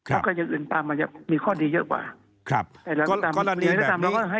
แล้วก็อย่างอื่นตามมันจะมีข้อดีเยอะกว่า